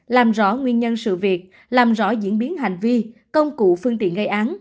làm rõ nguyên nhân sự việc làm rõ diễn biến hành vi công cụ phương tiện gây án